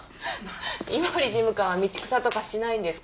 井森事務官は道草とかしないんですか？